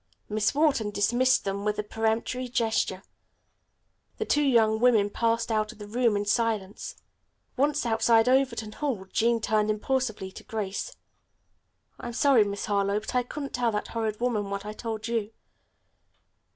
Miss Wharton dismissed them with a peremptory gesture. The two young women passed out of the room in silence. Once outside Overton Hall, Jean turned impulsively to Grace: "I am sorry, Miss Harlowe, but I couldn't tell that horrid woman what I told you.